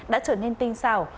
đã trở nên tinh xào